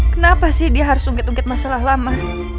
kenapa sih dia harus ungkit ungkit masalah lama